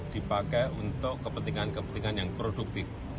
dipakai untuk kepentingan kepentingan yang produktif